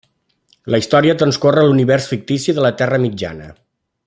La història transcorre a l'univers fictici de la Terra Mitjana.